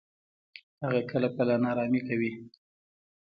هغه کله کله ناړامي کوي.